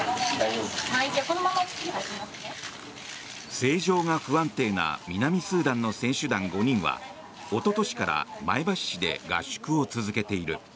政情が不安定な南スーダンの選手団５人はおととしから前橋市で合宿を続けている。